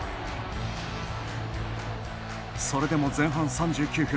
それでも前半３９分